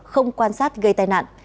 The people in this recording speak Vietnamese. không quan sát gây tai nạn